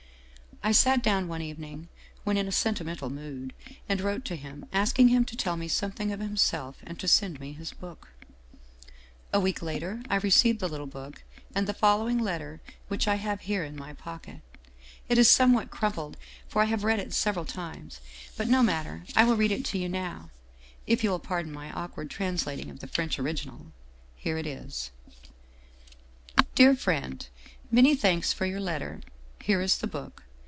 I sat down one evening when in a senti mental mood, and wrote to him, asking him to tell me something of himself and to send me his book. " A week later I received the little book and the follow ing letter which I have here in my pocket. It is somewhat crumpled, for I have read it several times. But no mat ter. I will read it to you now, if you will pardon my awkward translating of the French original. "Here it is: " DEAR FRIEND :" Many thanks for your letter. Here is the book.